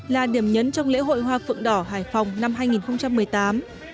là điểm nhấn trong lễ hội hoa phượng đỏ hải phòng năm hai nghìn một mươi tám